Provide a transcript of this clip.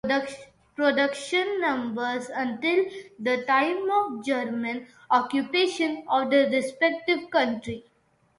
Production numbers until the time of the German occupation of the respective country.